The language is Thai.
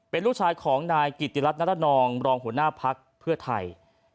เป็นลูกชายของนายกิติรัฐนรนองรองหัวหน้าพักเพื่อไทย